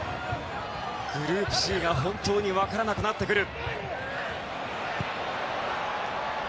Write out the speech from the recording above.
グループＣが本当に分からなくなってくる。